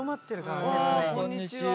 こんにちは。